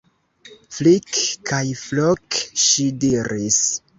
Flik kaj Flok, ŝi diris.